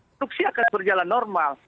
produksi akan berjalan normal